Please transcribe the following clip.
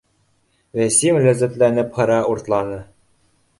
— Вәсим ләззәтләнеп һыра уртла, ны